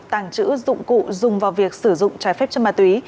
tàng trữ dụng cụ dùng vào việc sử dụng trái phép chất ma túy